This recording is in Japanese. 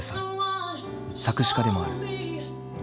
作詞家でもある。